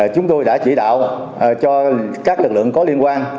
chúng tôi đã chỉ đạo cho các lực lượng có liên quan